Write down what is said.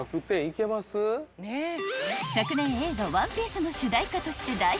［昨年映画『ＯＮＥＰＩＥＣＥ』の主題歌として大ヒット］